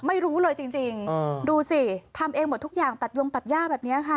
ไม่รู้เลยจริงดูสิทำเองหมดทุกอย่างตัดยงตัดย่าแบบนี้ค่ะ